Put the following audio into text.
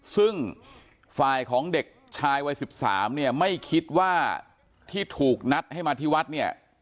ซึ่งฝ่ายของเด็กชายวัย๑๓เนี่ยไม่คิดว่าที่ถูกนัดให้มาที่วัดเนี่ย